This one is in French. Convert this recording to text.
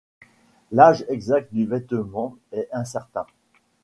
L'âge exact du vêtement est incertain.